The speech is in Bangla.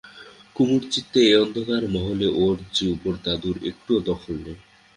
কুমুর চিত্তের এ অন্ধকার মহলে ওর উপর দাদার একটুও দখল নেই।